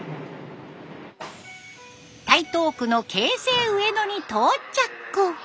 台東区の京成上野に到着。